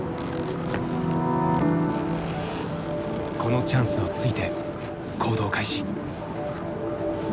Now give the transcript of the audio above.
このチャンスをついて行動開始。